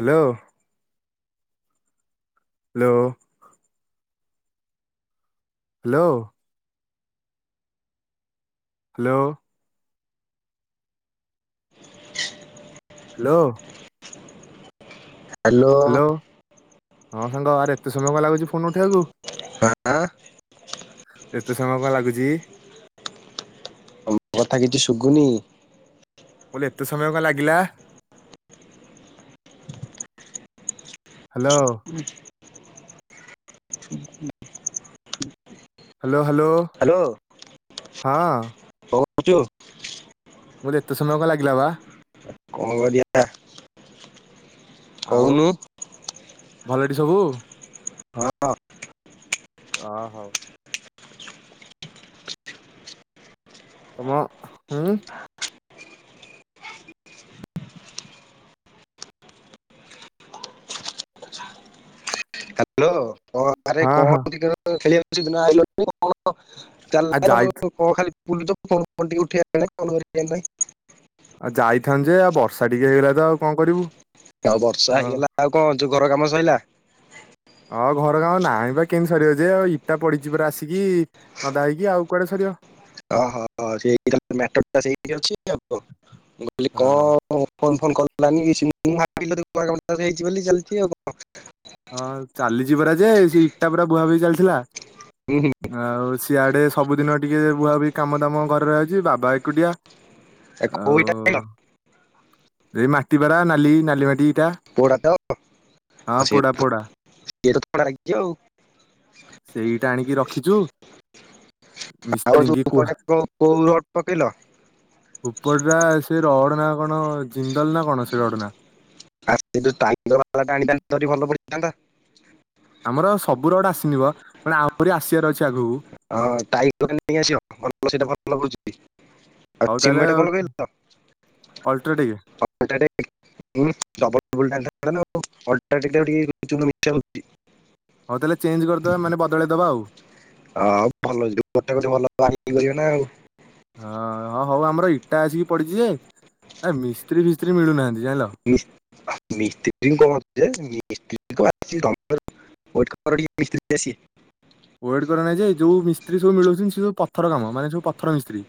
Hello. Hello. Hello. Hello. Hello. Hello ହଁ ସାଙ୍ଗ ଆରେ ଏତେ ସମୟ କଣ ଲାଗୁଛି ଫୋନ ଉଠୁ ବାକୁ? ହଁ ତମ ଏତେ ସମୟ କଣ ଲାଗୁଛି? ଆମ କଥା କିଛି ଶୁଭୁନି? ବୋଲେ ଏତେ ସମୟ କଣ ଲାଗିଲା? ହ୍ୟାଲୋ। [inaudible] ହ୍ୟାଲୋ। ହ୍ୟାଲୋ ହ୍ୟାଲୋ ହଁ। ପୁଚୁ ମୁଁ କହିଁଲି ଏତେ ସମୟ କ ଲାଗି କଣ କରିଆ ଆଉ କହୁନୁ? ଭଲଟି ସବୁ? ହଁ। ଅ ହଉ ତମ ହୁଁ ହ୍ୟାଲୋ କ ଆରେ ହଁ କହ ହଁ ଟ ଖେଳ ସେ ଦିନ ଆଇଲୁନୁ? କଣ ଆଉ ଚାଲିଲା ଯାଇ କଣ ଖାଲି? ବୁଲ ତ ଫ ଫ ଉଠି ଆ ଫ ଆଉ ଯାଇଥାନ୍ତ ଯେ ଆଉ ବର୍ଷା ଟିକେ ହେଇଗଲା ତ ଆଉ କଣ କରିବୁ। ଆଉ ବର୍ଷା ହେଇଗଲା ଆଉ କଣ? ହ ଯେଉ ଘର କାମ ସରିଲା? ହଉ ଘର କାମ ନାହିଁ ବା କେମିତି ସରିବା ଯେ ଇଟା ପଡିଛି ପରା ଆସିକି ନଦା ହେଇକି ଆଉ କୁଆଡେ ସରିବ। ଓହୋ ସେଇଥିପାଇଁ ମ୍ୟାଟର ଟା ସେଇଠି ଅଛି ଆଉ। ମୁଁ କହିଲି କ ହଁ ଫୋ ଫୋ କର ଲାନି ହେଇଛି ବୋଲି ଚାଲିଛି ଆଉ କଣ? ହଁ ଚାଲିଛି ପରା ଯେ ସେ ଇଟା ପରା ବୁହାବୁହି ଚାଲିଥିଲା। ହୁଁ, ହୁଁ। ଆଉ ସିଆଡେ ସବୁଦିନ ଟିକେ ବୁହା ବୁହି କାମ ଦାମ ଘରେରେ ଅଛି ବାବା ଏକୁଟିଆ ଆଉ କୋଉଟା ଖାଇଲ ଏଇ ମାଟି ପରା ନାଲି ନାଲି ମାଟି ଏଇଟା ପୋଡ଼ା ତ ସିଏ ହଁ ା ସିଏ ତ ଥଣ୍ଡା ଲାଗିଛି ଆଉ ସେଇଟା ଆଣିକି ରଖିଛୁ ଆଉୋ ମିସ୍ତ୍ରୀଙ୍କି କୁହା ଉପଟା କୋଉ ପକେଇଲ ଆୁ ଉପରଟା ସେ ରଡ ନା କଣ ଜିନ୍ଦଲ ନା କଣ ସେ ରଡ ନା ଆ ଭଲ କନ୍ଦ ଆମର ସବୁ ର ଗୋଟେ ଆସିନିବ ଅ ତାଇୋକ ନେଇ ଆସ ସେ ଭୁଛିଛି ଆ ହଉ ତାହେଲେ ସିମେଟ କ କ ଅଲଟ୍ରାଟେକ୍ ନା ଆଉ। ଅଲଟ୍ରାଟେକ୍ ଟାକୁ ଟିକେ ଚୂନ ମିଶା ହଉଛି। ହଉ ତାହେଲେ ଚେ୍ଜ କରିଦବା ମାନେ ବଦଳେଇ ଦବା ଆଉ। ହ ଭଲ ଯ ଗୋଟେ ଗଟେ ଭଲିବ ନା ଆଉ ହଁ ହଁ ହଉ ଆମର ଇଟା ଆସିକି ପଡିଛି ଯେ ଆ ମିସ୍ତ୍ରୀ ଫିସ୍ତ୍ରୀ ମିଳୁନାହାନ୍ତି ଯଲ ମିସ୍ତି କମା ମିସ୍ତ କ ମିସ୍ତ ୱେଟ୍ କରରେ ନାହିଁ ଯେ ଯୋଉ ମିସ୍ତ୍ରୀ ସବୁ ମିଳଉଛନ୍ତି ସେ ସବୁ ପଥର କାମ ମାନେ ସବୁ ପଥର ମିସ୍ତ୍ରୀ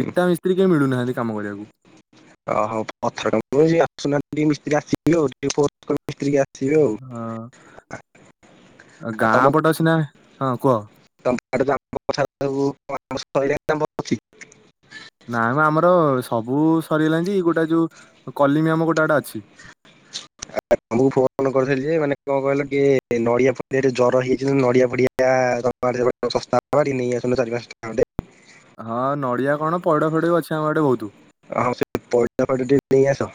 ଉଁ ଇଟା ମିସ୍ତ୍ରୀ କେହି ମିଳୁନାହାନ୍ତି କାମ କରିବାକୁ ଓହୋ ପଥର କ ମିସ୍ତ୍ରୀ ଆସି ଆ ହଁ ଆଉ ତମ ଗାଁ ପଟେ ଅଛି ନା ହଁ କୁହ ବ ଅଛି ନା କ ଆମର ସବୁ ସରିଗଲାଣି ଯେ ଗୋଟେ ଯୋଉ କଲିମି ଆମ ଗୋଟେ ଗଟେ ଅଛି ତମକୁ ଫୋନ କରିଥିଲି ଯେ ମାନେ କଣ କହିଲ କି ନଡିଆ ଫଡିଆ ଜର ହେଇଛି ନଡିଆ ଫଡିଆ ଶବ ନେଇସ ଚାରି ପାଞ୍ଚେ ହଁ ନଡିଆ କଣ ପଇଡ ଫଡ ଅଛି ଆମ ଗଡେ ବହୁତ ହଁ ସେ ପା ନେଇସ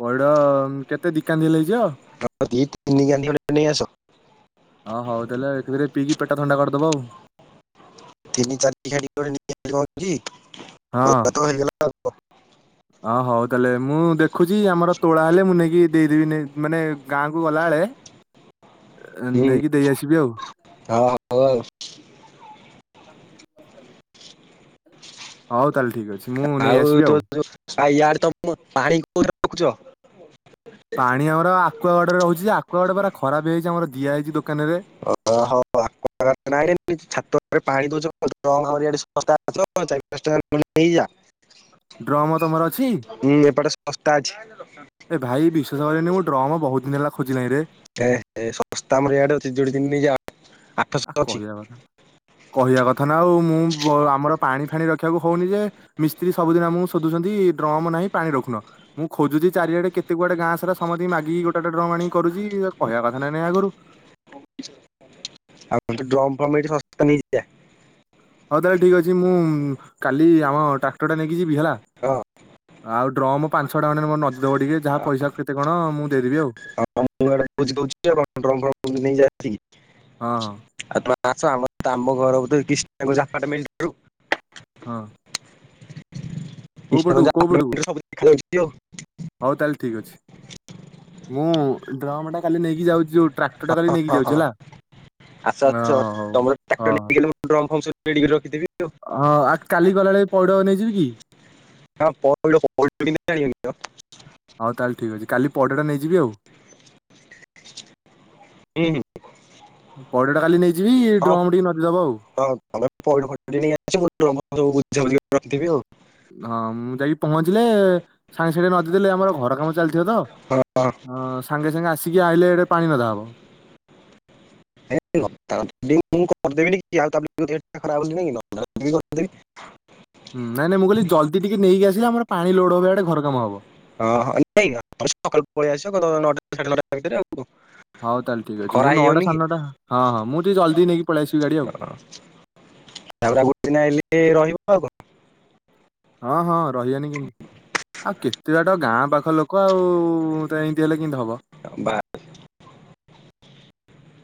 ବଡ କେତେ ଦିକାନ୍ଦ ଲାଗ ଦି ତିନି ଗାଣ୍ଡି ଖଣ୍ଡେ ନେଇ ଆସ। ଁ ହଉ ତାଲେରେ ପିଇକି ପେଟ ଥଣ୍ଡା କରି ଦବାଉ [unintelligible] ତିି ଚାରି ଖାଡି କି [inaudible] ଭଲ ହଁ! ତ ହେଇଗଲା ଆଉ। ଅ ହଉ ତାହେଲେ ମୁଁ ଦେଖୁଛି, ଆମର ତୋଳା ହେଲେ ମୁଁ ନେଇକି ଦେଇଦେବି ମାନେ, ଗାଁ କ ଗଲା ବଳେ ହୁଁ ନେଇକି ଦେଇ ଆସିବି ଆଉ। ହଁ ହଉ ଆଉ। ହଉ! ତାହେଲେ ଠିକ୍ ଅଛି ମୁଁ ନେଇ ଆଉ ଆସିବି ତୋ ଡ ତମ ପାଣି କୋଉ ରଖୁଛ [inaudible] ହ ହ [unintelligible] ପାଣି ଆମର ଆକୁୁଆଗଡରେ ରହୁଛି, ଆକୁୁଆ ଗଡ ପୁରା ଖରାପ ହେଇଯାଇଛି ଆମର ଦିଆହଇଛି ଦୋକାନରେ। ଓ ହଛ ପାଣି ଦଉଛ ଚଙ୍କା ଡ୍ରମ ତମର ଅଛି? [unintelligible] ହୁଁ ଏପଟେ ଶସ୍ତା ଅଛି। ଏ ଭାଇ ବିଶ୍ୱାସ କରରେନି ମୁଁ ଡ୍ରମ୍ ମୋ ବହୁତ ଦିନ ହେଲା ଖୋଜିଲିଣି ନଇଁ ରେ ଶସ୍ତାମରେଆଡ ଅଛି ଯୋ ଆ ଆଠଶ ଅଛି। କହିବା କଥା କହିବା କଥା। ଥ ନା ଆଉ ମୁଁ ଆମର ପାଣି ପାଣି ରଖିବାକୁ ହେଉନି ଯେ, ମିସ୍ତ୍ରୀ ସବୁଦିନ ଆମକୁ ଶୋଧୁଛନ୍ତି ଡ୍ରମ୍ ନାହିଁ ପାଣି ରଖୁନ। ମୁଁ ଖୋଜୁଛି ଚାରିଆେ କେତେ ଗୁଆଡେ ଗାଁ ସାରା ସମତିକି ମାଗିକି ଗୋଟା ଗୋଟେ ଡ୍ରମ୍ ଆଣି। କରୁଛି, କହିବା କଥା ନା ନାହିଁ ଆଗରୁ। ଆମ ଡ୍ରମ୍ ପ୍ରମ୍ ଏଠି ଶସ୍ତା ନେଇଯା। ହଉ ତାହେଲେ ଠିକ ଅଛି ମୁଁ କାଲି ଆମ ଟ୍ରାକ୍ଟର ଟା ନେଇକି ଯିବି ହେଲା, ହଁ ଆଉ ଡ୍ରମ ପାଞ୍ଚ ଛ ଟଙ୍କ ନଦିଦବ ଟିକେ ଯାହା ପଇସା କେତେ କଣ ମୁଁ ଦେଇଦେବି ଆଉ। ମୁଁ ଇଆଡେ ବୁଝି ଦଉଛି ଆପଣ ଡ୍ରମ୍ ଫ୍ରମ୍ ନେଇଯା ହଁ! ହ। ଛ ଆମର ଆମ ଘର [unintelligible] ହଁ। କୋଉ କ୍ରିଷ୍ଣାଗଞ୍ଜ ପଟକୁ କୋଉ ପଟକୁ ଆପାର୍ଟମେଣ୍ଟରୁ ସବୁ ଦେଖାଯାଉଛି ହଉ ତାହେଲେ ଠିକ ଅଛି ମୁଁ ଡ୍ରମ୍ ତାକୁ କାଲି ନେଇକି ଯାଉଛି। ଟ୍ରାକ୍ଟର ଟା କାଲି ହ ନେଇକି ଯାଉଛି ହଁ ହେଲା। ଆଛା ହଁ ଆଛା ହଉ ତମର ହଁ [unintelligible] ଭିଡି କି ରଖିଥିବି ହଁ ଆ କାଲି ଗଲାବେଳେ ପଉଡ ନେଇଯିବି କି? ଣି [inaudible] ହଉ ତାହେଲେ ଠିକ ଅଛି, କାଲି ପଇଡ଼ ଟା ନେଇଯିବି ଆଉ। ହଁ ପଇଡଟା କାଲି ନେଇଯିବି ଡ୍ରମ ଟିକେ ନଦିଦବ ଆଉ [inaudible] ରଖିଥିବି ଆଉ। ହଁ ମୁଁ ଯାଇକି ପହଞ୍ଚିଲେ ସା ସେଠି ନଦୀ ଦେଲେ ଆମର ଘର କାମ ଚାଲିଥିବ, ହଁ ହଁ ତ ସାଙ୍ଗେ ସାଙ୍ଗେ ଆସି ଟିକେ ଆଇିଲେ ଏଠି ପାଣି ନଦାହବ [unintelligible] ହୁଁ, ନାଇଁ ନାଇଁ, ମୁଁ କହିଲି ଜଲଦି ଟିକେ ନେଇକି ଆସିଲେ ଆମର ପାଣି ଲୋଡ ହବ ଇଆଡେ ଘର କାମ ହବ। ହଁ ନାଇଁ ତମେ ସକାଳୁ ପଳେଇ ଆସିବ [unintelligible] ହଉ ତାହେଲେ ଠିକ ଅଛିଁ, ଖରା ମୁଁ ନଅଟା ହେଇଯାଉନି କି ସାଢେ଼ ନଅଟା। ହଁ ହଁ, ମୁଁ ଟିକେ ଜଲଦି ନେଇକି ପଳେଇସିବି ଗାଡି ଆଉ। ତାପରେ ଆଉ ଗୋଟେ ଦିନ ଆଇଲେ [unintelligible] ହଁ ହଁ ରହିବନି କେମତି ଆଉ କେତେ ବାଟ ଗାଁ ପାଖ ଲୋକ ଆଉ ତ ଏମତି ହେଲେ କେମତି ହବ। ବା- [inaudible]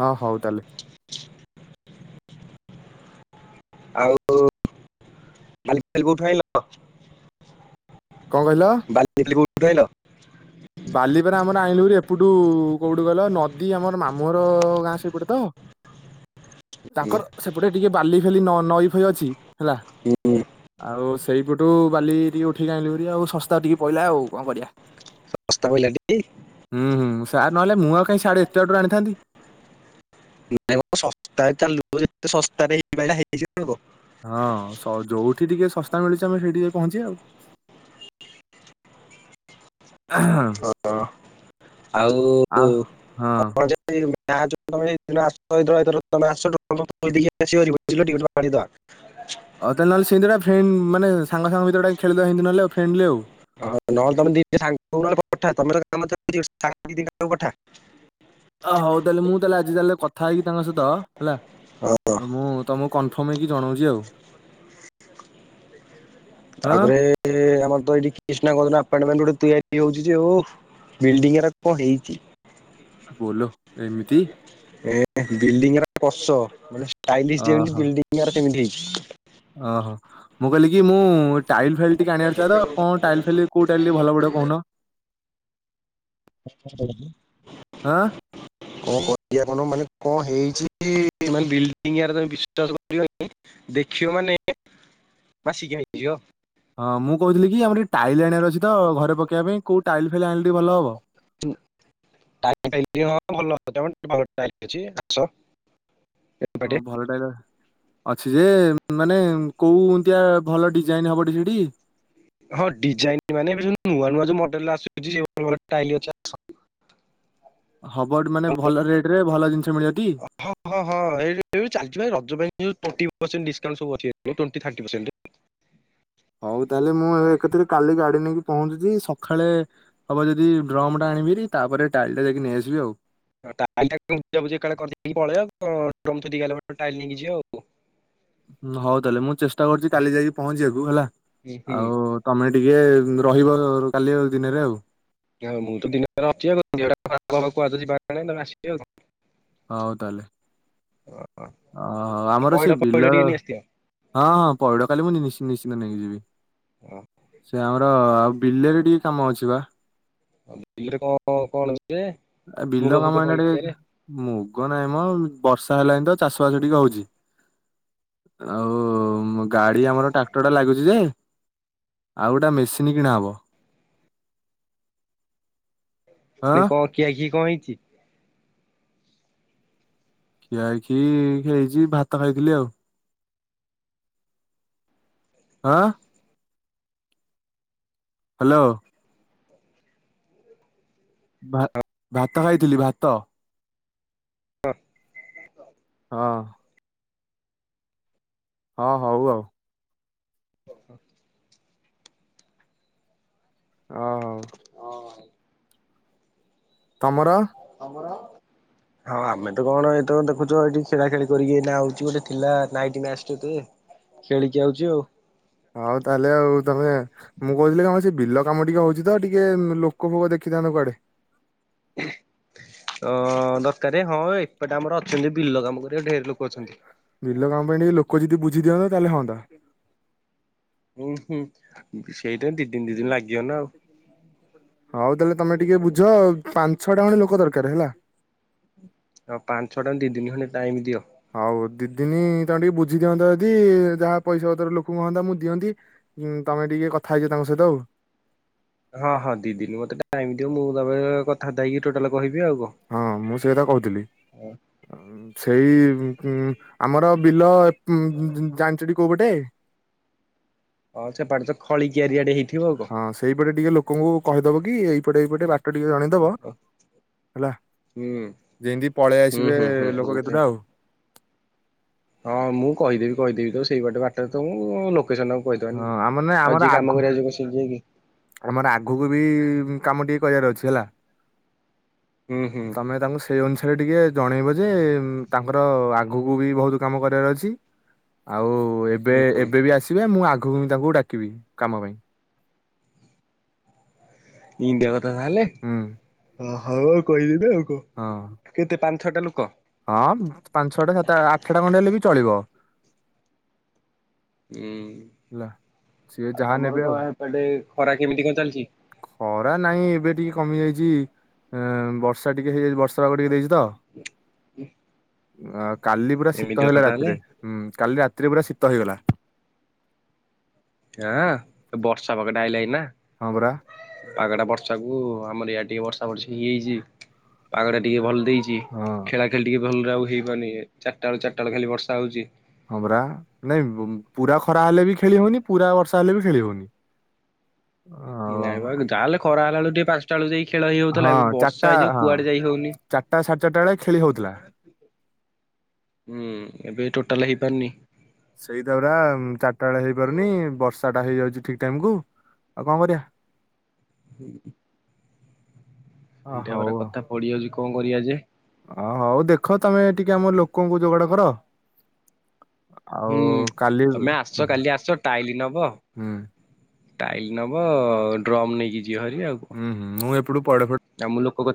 ହଁ ହଉ ତାହେଲେ ଆଉ ବାଲି ଫାଲି କୋଉଠୁ ଆଣିଲ? କଣ କହିଲ? ବାଲି ଫାଲି କୋଉଠୁ ଆଣିଲ? ବାଲିପରା ଆମର ଆଣିଲୁ ଭାରି ଏପଟୁ କୋଉଠୁ କହିଲ ନଦୀ ଆମର ମାମୁଁ ଗାଁ ସେପଟେ ତ ଉଁ, ତାଙ୍କର ସେପଟେ ଟିକେ ବାଲି ଫାଲି ନହ ନଈ ଫଇ ଅଛି। ହେଲା, ଉଁ, ଆଉ ସେଇପଟୁ ବାଲି ଟିକେ ଉଠିକି ଆଣିଲି ଆଉ ଶସ୍ତା ଟିକେ ପଇଲା ଆଉ କଣ କରିବା। ଶସ୍ତା ପଇଲା ଟି ହୁଁ ହୁଁ ସାର୍ ନହେଲେ ମୁଁ ଆଉ କାହିଁ ସିଆଡୁ ଏତେ ବାଟରୁ ଆଣିଥାନ୍ତି। [unintelligible] ହଁ ଯୋଉଠି ଟିକେ ଶସ୍ତା ମିଳିଛି ଆମେ ସେଇଠି ଯାଇକି ପହଞ୍ଚିବା ଆଉ। ହଁ ଆଉ କଣ ଯେ [unintelligible] ଆଉ ତାହେ ନହଲେିନ୍ଦୁରା [unintelligible] ଫ୍ରେଣ୍ଡ୍ ମାନେ ସାଙ୍ଗ ସାଙ୍ଗ ଭିତରେ ଖେଳିଦବା ନହଲେ ଆଉ ଫ୍ରେଣ୍ଡଲି ଆଉ। ହଁ ନହେଲେ ତମେି ନଲେ ପଠମେଠ [unintelligible] ଅ ହଉ ତାହେଲେ ମୁଁ ତାହେଲେ ଆଜି ତାହେଲେ କଥା ହେଇକି ତାଙ୍କ ସହିତ ହେଲା ହଁ ମୁଁ ତମକୁ କନଫର୍ମ ହେଇକି ଜଣଉଚି ଆଉ। ହଁ ତାପରେ ଆମର ତ ଏଇଠି କ୍ରିଷ୍ଣା ବଳରାମ ଆପାର୍ଟମେଣ୍ଟ ଗୋଟେ ତିଆରି ହଉଛି ଯେ ଓ ବିଲଡିଂଗୁରା କଣ ହେଇଛି। ବୋଲ ଏମିତି ବିଲ୍ଡିଂଟ କଛ ଚାଇଲିସ୍ ଯେମିତି ଅହୋ ବିଲ୍ଡିଙ୍ଗ ଆର ସେମିତି ହେଇଛି ଓହୋ ମୁଁ କହିଲି କିି ମୁଁ ଟାଇଲ ଫେଲ ଟିକେ ଆଣିବାର ଥିଲା ତ କଣ ଟାଇଲ ଫେଲି କୋଉ ଟାଇଲଲି ଭଲ ପଡିବ କହୁନ [unintelligible] ଆଁ ମାନେ କଣ ହେଇଛିାନ ବିଲ୍ଡିଂ ତମେ ବିଶ୍ୱାସ କରିବନି ଦେଖିବ ମାନେ ମାସିକି ହେଇଯ ହଁ ମୁଁ କହୁଥିଲି କି ଆମର ଟ ଟାଇଲ ଆଣିବାର ଅଛି ତ ଘରେ ପକେଇବା ପାଇଁ କୋଉ ଟାଇଲ ଫେଲ ଆଣ ହଁ ଭଲ ତ ଟିକେ ଭଲ ଚାଲି ଅଛି ଆସ। ହଁ ଏପଟେ। ଭଲ ଟାଇଲ ଅଛି ଯେ ମାନେ କୋଉ ଇନ୍ତିଆ ଭଲ ଡିଜାଇନ ହବ ସେଠି ହଁ ଡିଜାଇନ ମାନେ ଏବେ ଯୋଉ ନୂଆ ନୂଆ ଯୋଉ ମଡେଲ ଆସୁଛି ସେଇ ବଢିଆ ଟାଇଲି ଅଛି। ହବ ମାନେ ଭଲ ରେଟ ରେ ଭଲ ଜିନିଷ ମିଳିବ ଟି? ହଁ ହୁ ଟ୍ବେଣ୍ଟି ଡିସକାଉଣ୍ଟ ସବୁ ଅଛି। ଟ୍ବେଣ୍ଟି, ଥାର୍ଟୀ ପର୍ସେଣ୍ଟ ହଉ। ତାହେଲେ ମୁଁ ଏକଥରେ କାଲି ଗାଡି ନେଇକି ପହନଚୁଛି। ସକାଳେ ହବ ଯଦି ଡ୍ରମ ଟା ଆଣିବିରି ତାପରେ ଟାଇଲ ଟା ଯାଇକି ନେଇଆସିବି ଆଉ। ଟାଇଲି ଟାକୁ ବୁଝା ବୁଝି କାଳେ ପଳେଇବ ନେଇକି ଯିବ ଆଉ। ହଉ ତାହେଲେ ମୁଁ ଚେଷ୍ଟା କରୁଛି କାଲି ଯାଇକି ପହଞ୍ଚିବାକୁ ହେଲା। ହୁଁ ହୁଁ ଆଉ ତମେ ଟିକେ ଟିକେ ରହିବ କାଲି ଦିନରେ ଆଉ ମୁଁ ତ ଦିନରେ ଅଛି ଆ ଖରାପବା କହା ଆସିବି ଆଉ। ହଉ ତାହଲେ ହଁ। ଓ ଆମର ସେ ବିଲ ନେଇ ଆସିଥିବ। ହଁ ହଁ ପଇଡ କାଲି ମୁଁ ନିଶ୍ଚିନ୍ତ ନେଇକି ଯିବି। ସେ ଆମର ଆ ବିଲରେ ଟିକେ କାମ ଅଛି ବା ରେ କ କଣ? ଯେ ଆ ମୁଗ ବିଲ ଫୁଗ କାମ ଏ ପଡିକିଆରେ ଟିକେ ମୁଗ ନାଇଁ ମ ବଷା ହେଲାଣି ତ ଚାଷ ବସ୍ ଟିକେ ହୋଉଛି। ସୁ ଗାଡି ଆମର ଟ୍ରାକ୍ଟର ଟା ଲାଗୁଚି ଯେ ଆଉ ଗୋଟେ ମେସିନ୍ କିଣା ହବ। ହଁ ନାଇ କ କି ଆ କି କଣ ହେଇଛି? ଖିଆ ଖି ହେଇଛି ଭାତ ଖାଇଥିଲି ଆଉ। ହଁ। ହ୍ୟାଲୋ। ଭ ଭାତ ଖାଇଥିଲି ଭାତ। ହଁ। ହଁ। ହଁ ହଉ ଆଉ। ଓ ହୋ [inaudible] ହ ହୋଉ। ହଉ। ତମର? ହଁ ଆମେ ତ କଣ ଏ ତ ଦେଖୁଛ ଏଠି ଖେଳା ଖେଳି କରି ଏଇନା ଆଉଚି ଗୋଟେ ଥିଲା ନାଇଟ ମ୍ୟାଚ୍ ଟିଏ ଖେଳିକି ଆଉଚି ଆଉ। ହଉ ତାହେଲେ ଆଉ ତମେ ମୁଁ କହୁଥିଲି କଣ? ବିଲ କାମ ଟିକେ ହଉଛି ତ ଟିକେ ଲୋକ ଫୋକ ଦେଖିଥାନ୍ତ କୁଆଡେ। ଅ ଦରକାର ହଁ ଏପଟେ ଆମର ଅଛନ୍ତି ବିଲ କାମ କରିବା ପାଇଁ ଢେର୍ ଲୋକ। ଅଛନ୍ତି। ବିଲ କାମ ପାଇଁ ଟିକେ ଲୋକ ଯଦି ବୁ ଝି ଦିଅନ୍ତେ ତାହାଲେ ହନ୍ତା। ହୁଁ ହୁଁ ସେଇଟା ଦି ଦିନ ତିନ ଦିନ ଲାଗିବ ନା ଆଉ। ହଉ ତାହେଲେ ତମେ ଟିକେ ବୁଝ ଆଉ। ପାଞ୍ଚ ଛଅଟା ଖଣ୍ଡେ ଲୋକ ଦରକାର ହେଲା। ହଁ ପାଞ୍ଚ ଛଅ ଟଙ୍କା ଦି ଦିନି ଖଣ୍ଡେ ଟାଇମ ଦିଅ। ହଉ ଦିଦିନୀ ତମେ ଟିକେ ବୁଝି ଦିଅନ୍ତ, ଯଦି ଯାହା ପଇସା ପତର ଲୋକଙ୍କୁ କ ହଅନ୍ତା ମୁଁ ଦିଅନ୍ତି। ଉଁ ତମେ ଟିକେ କଥା ହେଇଯିବ ତାଙ୍କ ସହିତ ଆଉ। ହଁ ହଁ ଦିଦିନି ମତେ ଟାଇମ ଦିଅ, ମୁଁ ତାପରେ କଥା ବାର୍ତ୍ତା ହେଇକି ଟୋଟାଲ କହିବି ଆଉ। ହଁ ମୁଁ ସେଇକଥା କହୁଥିଲି। ହଁ। ସେଇ ଉଁ ଆମର ବିଲ ଉଁ ଉଁ ଜାଣିଚଟି କୋଉ ପଟେ। ହଉ ସେ ପାଖେ ତ ଖଳି କିଆରୀ ଆଡେ ହେ ହଁ ସେଇପଟେ ଟିକେ ଲୋକଙ୍କୁ କହିଦବ କି ଏଇ ଇ ପଟେ ଏଇପଟେ। ତ ଟିକେ ଜଣେଇଦବ ହୁଁ। ହେଲା ଯେମିତି ପଳେଇ ହୁଁ ଆସିବେ ହୁଁ ହୁଁ ଲୋକ ହୁଁ। କେତେଟା ଆଉ। ହଁ ମୁଁ କହିଦେବି କହିଦେବି ତ ସେଇ ବାଟେ ବାଟରେ ତ ମୁଁ ଲୋକ କେସନ ତାଙ୍କୁ କହିଦେବନି ହଁ କି? ଆମର ନାଇଁ ଆଉ ଆମର ଯିଏ କାମ ଆଗୁ କରିବାକୁିବ ଯିବ ସେ ଦେନ୍ତି ଯିବେ କି? ଆମର ଆଗକୁ ବି କାମ ଟିକେ କରିବାର ଅଛି। ହେଲା। ହୁଁ ହୁଁ ତମେ ତାଙ୍କୁ ସେଇ ଅନୁସା ସେଟା ଟିକେ ଜଣେଇବ ଯେ, ତାଙ୍କର ଆଗକୁ ବି ବହୁତ କାମ କରିବାର ଅଛି। ଆଉ ଏବେ ଏବେ ବି ଆସିବେ ମୁଁ ଆଗ କୁ ବି ତାଙ୍କୁ ଡାକିବି କାମ ପାଇଁ। ଇନ୍ତିଆ କଥ ଆ ତାହଲେ ହୁଁ। ଓ। ହଉ କହିଦେବି ଆଉ। କ ହଁ କେତେ ପାଞ୍ଚ ଠଟା ଲୋକ। ହଁ ପାଞ୍ଚ ଛଟା ସାତ ଆଠ ଟା ଖଣ୍ଡେ ହେଲେ ବି ଚଳିବ। ହୁଁ। ହେଲା ସିଏ ଆଉ ଯାହା ତମର ନେବେ କଣ ଆଉ। ହେପଟେ ଖରା କେମିତି ଙ୍କ ଚାଲଚି? ଖରା ନାହିଁ ଏବେ ଟିକେ କମି ଯାଇଚି, ଅଁ ବର୍ଷା ଟିକେ ହେଇଯାଇଚି ବର୍ଷା। ଖରା କୁ ଟିକେ ଦେଇଚି ତ। ଆ କାଲି ପୁରା ଏମିତି ଶୀତ ହେଲା କଥା ତାହେଲେ ରାତିରେ ହୁଁ କାଲି ରା ଏଇଠି ପୁରା ଶୀତ ହୋଇଗଲା। [inaudible] ହଁ ବର୍ଷ ବକଡା ଆଇଲା ଏଇନା। ହଁ ପରା। ପାଗଟା ବର୍ଷାକୁ ଆମର ଇଆଡ଼େ ଟିକେ ବର୍ଷା ବର୍ଷି ହେଇଯାଇଛି। ପାଗଟା ଟିକେ ଭଲ ଦେଇଛି ହଁ ଖେଳା ଖେଳି ଟିକେ ଭଲରେ ଆଉ ଜିବନି ଚାରଟା ବେଳୁ ଚାରଟା ଖାଲି ବର୍ଷା ହଉଛି। ହଁ ପରା ନାଇଁ ପୁରା ଖରା ହେଲେ ବି ଖେଳି ହଉନି। ପୁରା ବର୍ଷା ହେଲେ ବି ଖେଳି ହଉନି। [inaudible] ନାଇଁ ବା ଯାହା ହେଲେ ଖରା ହେଲା ବେଳକୁ ଟିକେ ପା ଖେଳୁ ଯାଇ। ଖେଳ ହେଇ ଯାଉଥିଲା ହଁ ଏବେ ଚାରିଟା ବର୍ଷା ହେଇଯାଉ ହଁ କୁଆଡେ ଯାଇ ହଉନି। ଚାରିଟା ସାଢେ ଚାରିଟା ବେଳେ ଖେଳି ହଉଥିଲା। [inaudible] ହୁଁ ଏବେ ଟୋଟାଲ ହେଇ ବନି। ସେଇଟା ପରା ଚାରଟା ବେଳେ ହେଇପାରୁନି। ବର୍ଷା ଟା ହେଇଯାଉଛି ଠିକ ଟାଇମ କୁ ଆଉ କଣ କରିବା। ହୁଁ। ଅ ଏଇଟା ପରା କଥା ପଡିଯାଉଛି। କ କରିଆ ଯେ? ଓ ହୋଉ ଦେଖ ତମେ ଟିକେ ଆମ ଲୋକଙ୍କୁ ଯୋଗାଡ କର। [inaudible] ହୁଁ ଆଉ କାଲି ହୁଁ ତମେ ଆସଛ କାଲି ହୁଁ ଆସ ଟାଇଲି ନବ। ଟାଇଲି ନବ ଡ୍ରମ୍ ନେଇକି ଯିବ ଭାରି ଆଉ କଣ। ହୁଁ ହୁଁ ମୁଁ ଏପଟୁ ପଇଡ଼ ଫଇ ଆଉ ମୁଁ ଲୋକ